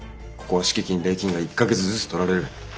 ここは敷金礼金が１か月ずつ取られる。